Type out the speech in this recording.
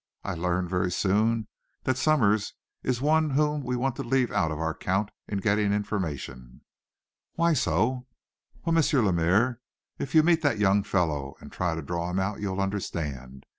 "I learned, very soon, that Somers is one whom we want to leave out of our count in getting information?" "Why so?" "Well, M. Lemaire, if you meet that young fellow, and try to draw him out, you'll understand.